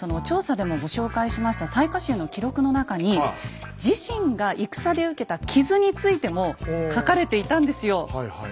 調査でもご紹介しました雑賀衆の記録の中に自身が戦で受けた傷についても書かれていたんですよ。